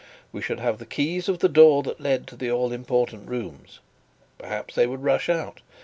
We should have the keys of the door that led to the all important rooms. Perhaps they would rush out.